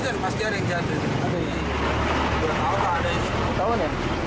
ada yang jalan ada yang jalan